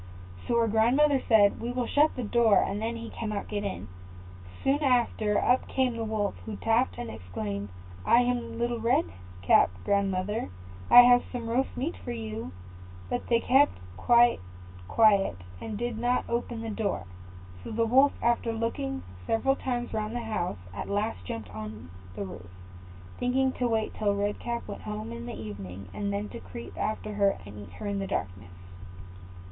So her grandmother said, "We will shut the door, and then he cannot get in." Soon after, up came the Wolf, who tapped, and exclaimed, "I am Little Red Cap, grandmother; I have some roast meat for you." But they kept quite quiet, and did not open the door; so the Wolf, after looking several times round the house, at last jumped on the roof, thinking to wait till Red Cap went home in the evening, and then to creep after her and eat her in the darkness.